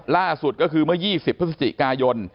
ล่าสุดก็คือเมื่อ๒๐พฤศจิกายน